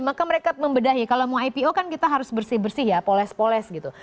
maka mereka membedahi kalau mau ipo kan kita harus bersih bersih ya poles poles gitu